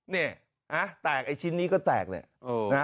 เนี่ยแตกไอ้ชิ้นนี้ก็แตกเลย